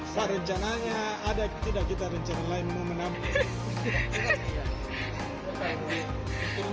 saya rencananya ada tidak kita rencananya lain mau menabung